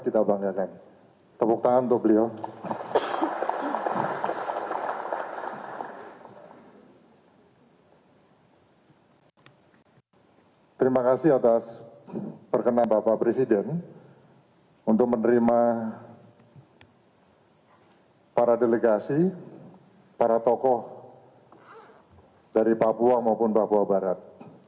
terima kasih atas perkenan bapak presiden untuk menerima para delegasi para tokoh dari papua maupun papua barat